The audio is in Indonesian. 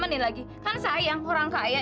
bapak kemana ya